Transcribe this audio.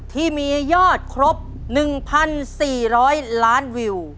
ที่มียอดครบ๑๔๐๐ล้านวิว